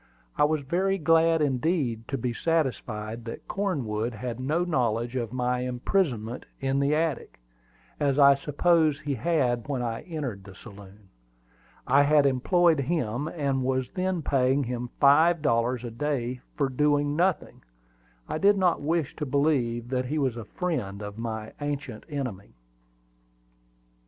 I was very glad indeed to be satisfied that Cornwood had no knowledge of my imprisonment in the attic, as I supposed he had when I entered the saloon. I had employed him, and was then paying him five dollars a day for doing nothing. I did not wish to believe that he was a friend of my ancient enemy.